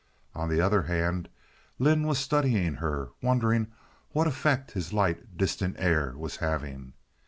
On the other hand, Lynde was studying her, wondering what effect his light, distant air was having.